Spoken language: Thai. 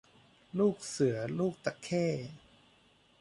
ลูกเสือลูกตะเข้